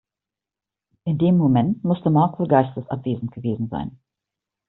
In dem Moment musste Mark wohl geistesabwesend gewesen sein.